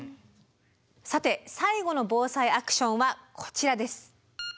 さて最後の「ＢＯＳＡＩアクション」はこちらです。